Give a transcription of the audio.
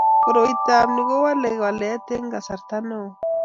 koroitab ni kowalege walet eng kasarta neo